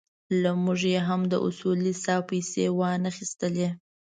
له موږ یې هم د اصولي صیب پېسې وانخيستلې.